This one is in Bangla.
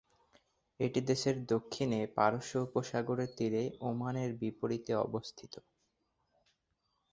এটি দেশের দক্ষিণে পারস্য উপসাগরের তীরে ওমানের বিপরীতে অবস্থিত।